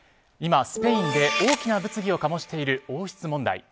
今、スペインで大きな物議を醸している王室問題。